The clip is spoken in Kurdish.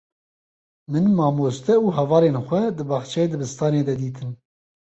Min mamoste û hevalên xwe di baxçeyê dibistanê de dîtin.